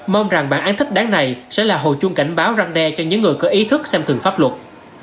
mong rằng bản án thích đáng này sẽ là hồ chung cảnh báo răng đe cho những người có ý thức xem thường pháp luật